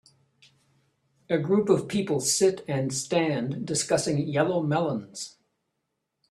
A group of people sit and stand discussing yellow melons